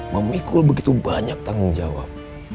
memikul begitu banyak tanggung jawab